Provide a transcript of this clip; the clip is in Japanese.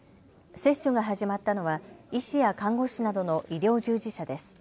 接種が始まったのは医師や看護師などの医療従事者です。